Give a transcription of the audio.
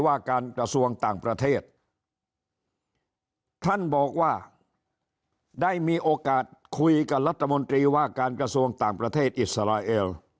ว่าการกระทรวงต่างประเทศท่านบอกว่าได้มีโอกาสคุยกับรัฐมนตรีว่าการกระทรวงต่างประเทศอิสราเอล